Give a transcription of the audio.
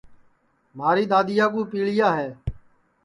مھاری دؔادؔیا کُو پیݪیا ہے